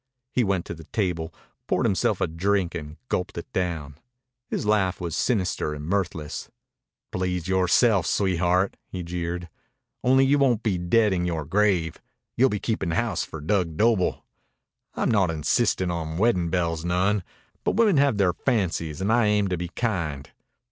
He went to the table, poured himself a drink, and gulped it down. His laugh was sinister and mirthless. "Please yorese'f, sweetheart," he jeered. "Only you won't be dead in yore grave. You'll be keepin' house for Dug Doble. I'm not insistin' on weddin' bells none. But women have their fancies an' I aim to be kind.